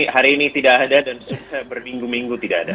hari ini tidak ada dan berminggu minggu tidak ada